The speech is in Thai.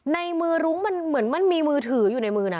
ในมือรุ้งมันเหมือนมันมีมือถืออยู่ในมือนะ